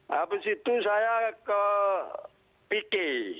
habis itu saya ke pk